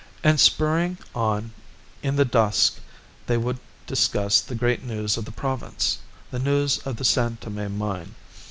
And spurring on in the dusk they would discuss the great news of the province, the news of the San Tome mine.